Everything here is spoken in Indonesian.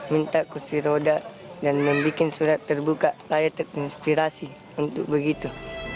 minta kursi roda dan membuat surat terbuka saya terinspirasi untuk begitu